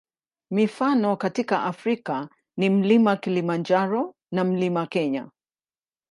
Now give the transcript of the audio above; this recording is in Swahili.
Mifano katika Afrika ni Mlima Kilimanjaro na Mlima Kenya.